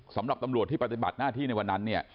สำหรับตำรวจที่ปฏิบัติหน้าที่ในวันนั้นเนี่ย